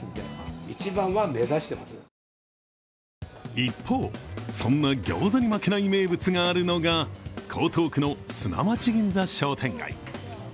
一方、そんなギョーザに負けない名物があるのが江東区の砂町銀座商店街。